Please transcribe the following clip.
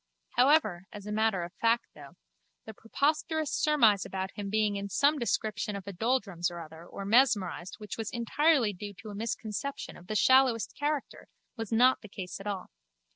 However, as a matter of fact though, the preposterous surmise about him being in some description of a doldrums or other or mesmerised which was entirely due to a misconception of the shallowest character, was not the case at all.